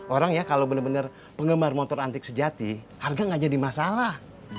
orang ya kalau bener bener penggemar motor antik sejati harga gak jadi masalah